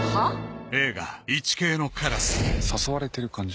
「誘われてる感じ？」